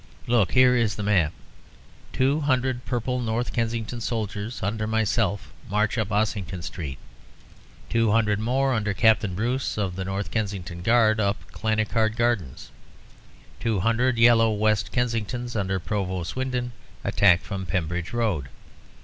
Look, here is the map. Two hundred purple North Kensington soldiers under myself march up Ossington Street, two hundred more under Captain Bruce, of the North Kensington Guard, up Clanricarde Gardens. Two hundred yellow West Kensingtons under Provost Swindon attack from Pembridge Road.